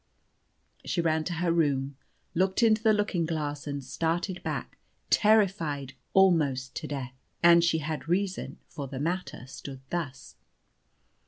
She ran to her room, looked into the looking glass, and started back, terrified almost to death. And she had reason; for the matter stood thus.